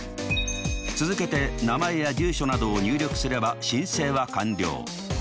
続けて名前や住所などを入力すれば申請は完了。